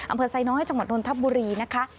อำเภอไซน้อยจังหวัดนทบุรีนะคะ